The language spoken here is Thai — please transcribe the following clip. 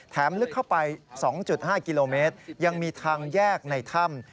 ลึกเข้าไป๒๕กิโลเมตรยังมีทางแยกในถ้ำ